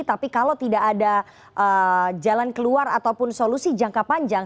tapi kalau tidak ada jalan keluar ataupun solusi jangka panjang